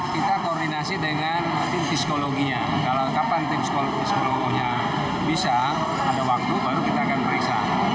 kita koordinasi dengan tim psikologinya kalau kapan tim psikolognya bisa ada waktu baru kita akan periksa